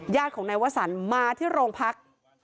ญาติของนายวสันมาที่โรงพัก